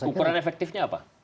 ukuran efektifnya apa